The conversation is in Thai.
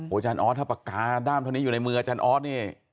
อาจารย์ออสถ้าปากกาด้ามเท่านี้อยู่ในมืออาจารย์ออสนี่